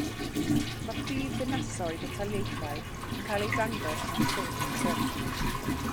Mae prifddinasoedd y taleithiau yn cael eu dangos mewn print trwm.